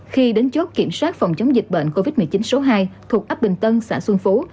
khi đến chốt kiểm soát phòng chống dịch bệnh covid một mươi chín số hai thuộc ấp bình tân xã xuân phú